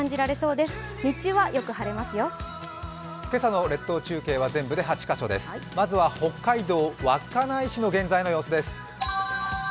まずは北海道稚内市の現在の様子です。